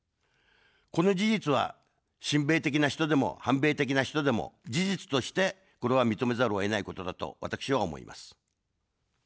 この事実は、親米的な人でも反米的な人でも、事実として、これは認めざるをえないことだと私は思います。